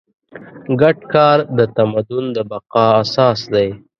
ګډ کار د تمدن د بقا اساس دی.